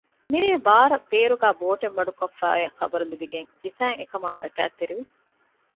މިރޭ ބާރަށް ބޭރުގައި ބޯޓެއް މަޑުކޮށްފައި އޮތް ޚަބަރު ލިބިގެން ސިފައިން އެކަމާ ޙަރަކާތްތެރިވި